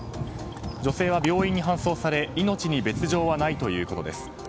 女性は病院に搬送され命に別条はないということです。